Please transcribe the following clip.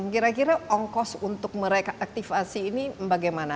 kira kira ongkos untuk mereaktivasi ini bagaimana